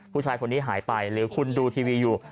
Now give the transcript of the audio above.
ผู้ชายคนนี้หายไปหรือคุณดูทีวีอยู่